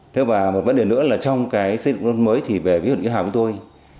thế và một vấn đề nữa là trong cái xây dựng nông thôn mới thì về huyện mỹ hào với tôi